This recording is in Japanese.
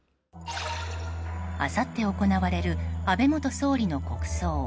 あさって行われる安倍元総理の国葬。